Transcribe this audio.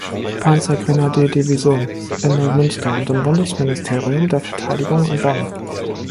Panzergrenadierdivision in Neumünster und im Bundesministerium der Verteidigung in Bonn.